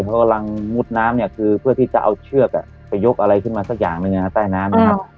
เพราะกำลังมุดน้ำเนี่ยคือเพื่อที่จะเอาเชือกไปยกอะไรขึ้นมาสักอย่างหนึ่งใต้น้ำนะครับ